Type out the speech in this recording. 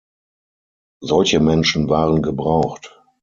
Solche Menschen waren gebraucht.